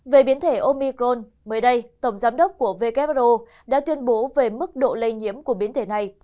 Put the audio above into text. về biến thể omicrone mới đây tổng giám đốc của who đã tuyên bố về mức độ lây nhiễm của biến thể này